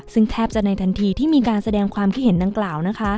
ซึ่งแทบจะในทันทีที่มีการแสดงความคิดเห็นดังกล่าวนะคะ